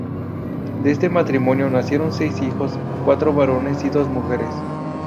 De este matrimonio nacieron seis hijos, cuatro varones y dos mujeres.